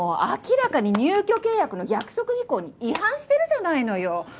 明らかに入居契約の約束事項に違反してるじゃないのよ。